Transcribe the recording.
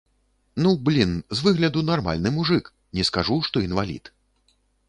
Ну, блін, з выгляду нармальны мужык, не скажу, што інвалід.